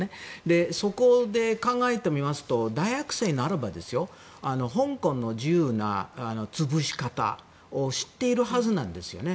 そこで考えてみますと大学生ならば香港の自由な潰し方を知っているはずなんですよね。